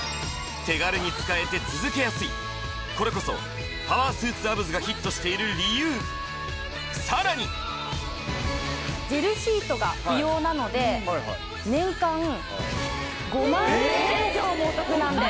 これこそパワースーツアブズがヒットしている理由さらにジェルシートが不要なので年間５万円以上もお得なんです